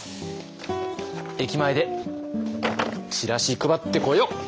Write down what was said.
駅前でチラシ配ってこよう。